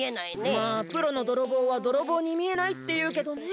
まあプロのどろぼうはどろぼうにみえないっていうけどね。